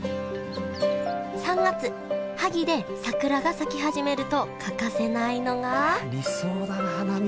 ３月萩で桜が咲き始めると欠かせないのが理想だな花見。